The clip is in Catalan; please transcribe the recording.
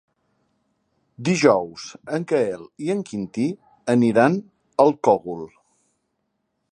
Dijous en Gaël i en Quintí aniran al Cogul.